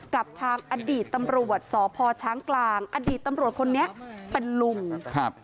กับทางอดีตตำรวจสพช้างกลางอดีตตำรวจคนนี้เป็นลุงครับ